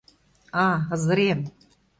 А, азырен.